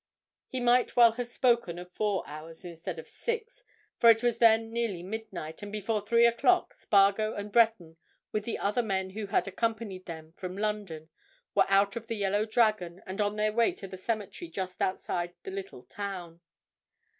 He might well have spoken of four hours instead of six, for it was then nearly midnight, and before three o'clock Spargo and Breton, with the other men who had accompanied them from London were out of the "Yellow Dragon" and on their way to the cemetery just outside the little town.